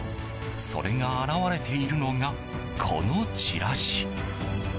それが表れているのがこのチラシ。